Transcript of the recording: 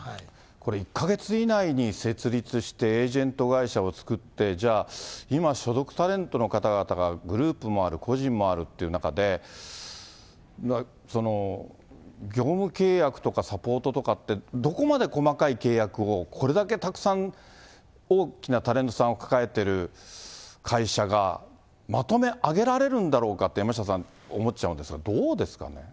これ、１か月以内に設立して、エージェント会社を作って、じゃあ今、所属タレントの方々がグループもある、個人もあるっていう中で、業務契約とかサポートとかって、どこまで細かい契約を、これだけたくさん大きなタレントさんを抱えてる会社が、まとめ上げられるんだろうかって、山下さん、思っちゃうんですが、どうですかね。